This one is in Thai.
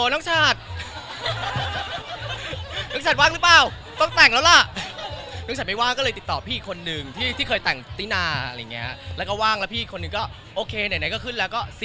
แล้วก็ว่างแล้วอีกคนหนึ่งก็เอาโอเคไหนก็ขึ้นแล้วกัน